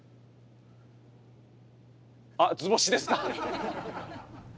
あっ図星ですか？